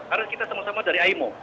karena kita sama sama dari ayb